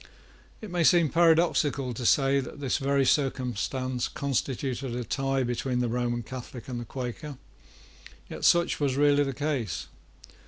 It may seem paradoxical to say that this very circumstance constituted a tie between the Roman Catholic and the Quaker; yet such was really the case.